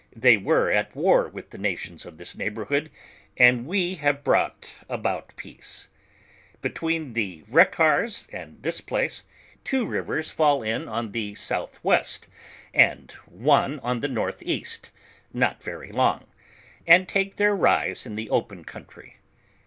They were at war with the nations of this neighborhood, and we have brought about peace. Between the Itccars and this place, two rivers fall in on the southwest LEWIS AND CLARKE. 29 "and one on the north east, not very long, and take their rise in the open country.